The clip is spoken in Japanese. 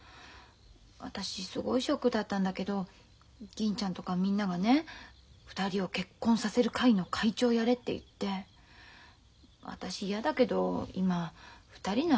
私すごいショックだったんだけど銀ちゃんとかみんながね２人を結婚させる会の会長やれって言って私やだけど今２人の間取り持ってんだから。